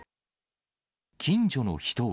近所の人は。